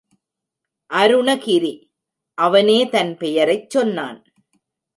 அருணகிரி! அவனே தன் பெயரைச் சொன்னான்.